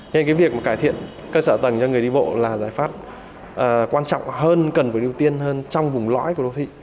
nên cái việc cải thiện cơ sở tầng cho người đi bộ là giải pháp quan trọng hơn cần phải ưu tiên hơn trong vùng lõi của đô thị